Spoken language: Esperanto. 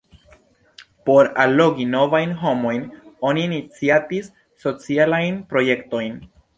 Por allogi novajn homojn oni iniciatis socialajn projektojn.